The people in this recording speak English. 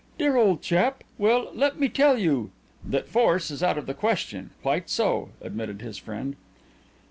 "Dear old chap! Well, let me tell you " "That force is out of the question. Quite so," admitted his friend.